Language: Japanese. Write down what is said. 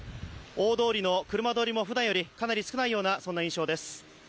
大通りの車通りもふだんよりかなり少ないような印象です。